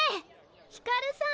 ひかるさん！